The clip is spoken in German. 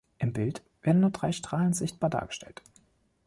Im Bild werden nur drei Strahlen sichtbar dargestellt.